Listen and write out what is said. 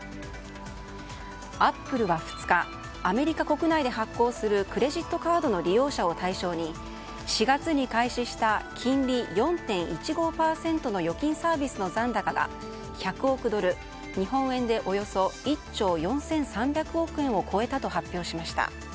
アップルは２日アメリカ国内で発行するクレジットカードの利用者を対象に４月に開始した金利４．１５％の預金サービスの残高が１００億ドル日本円でおよそ１兆４３００億円を超えたと発表しました。